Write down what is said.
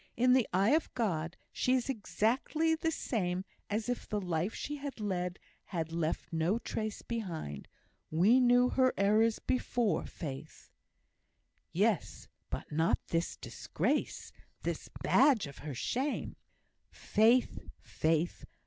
"In the eye of God, she is exactly the same as if the life she has led had left no trace behind. We knew her errors before, Faith." "Yes, but not this disgrace this badge of her shame!" "Faith, Faith!